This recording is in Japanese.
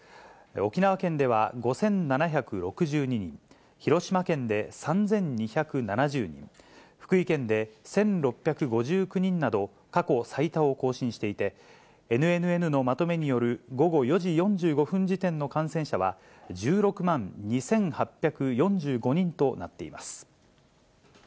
沖縄県では５７６２人、広島県で３２７０人、福井県で１６５９人など、過去最多を更新していて、ＮＮＮのまとめによる午後４時４５分時点の感染者は、１６万２８４５人となっています。